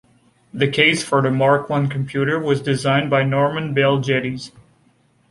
The case for the Mark One computer was designed by Norman Bel Geddes.